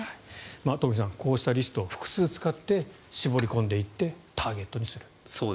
東輝さんこうしたリストを複数使って絞り込んでいってターゲットにする。